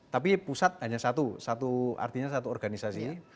tapi pusat hanya satu satu artinya satu organisasi